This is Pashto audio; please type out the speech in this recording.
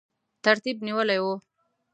ترتیب نیولی وو.